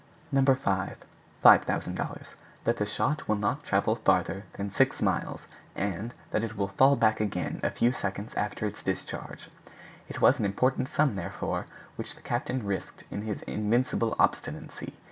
No. 5 ($5,000).—That the shot will not travel farther than six miles, and that it will fall back again a few seconds after its discharge. It was an important sum, therefore, which the captain risked in his invincible obstinacy.